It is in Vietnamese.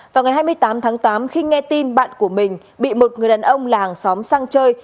vào ngày hai mươi tám tháng tám khi nghe tin bạn của mình bị một người đàn ông là hàng xóm sang chơi